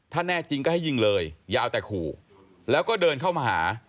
ถ้าแน่จริงก็ให้ยิงเลยอย่าเอาแต่ขู่แล้วก็เดินเข้ามาหา